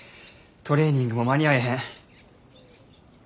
トレーニングも間に合えへん。